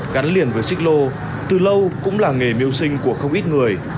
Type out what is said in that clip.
gắn liền với xích lô từ lâu cũng là nghề mưu sinh của không ít người